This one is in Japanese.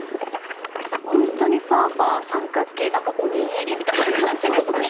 本当にファーファー、三角形おにぎりみたいな感じですね。